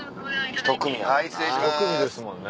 １組ですもんね。